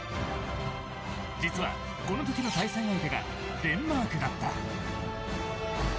実は、このときの対戦相手がデンマークだった。